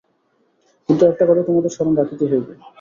কিন্তু একটি কথা তোমাদের স্মরণ রাখিতেই হইবে।